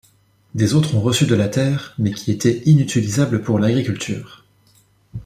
Des autres ont reçu de la terre, mais qui était inutilisable pour l'agriculture.